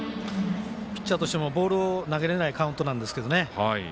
ピッチャーとしてもボールを投げられないカウントなんですけどね。